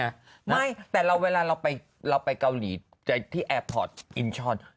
ไม่แต่เวลาเราไปเกาหลีที่แอร์พอร์ตอินชอน